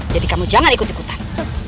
jadi kamu jangan ikut ikutan